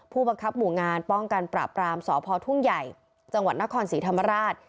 ผู้บังคับหมู่งานป้องกันปราบรามสพทุ่งใหญ่จังหวัดนครศรีธรรมราช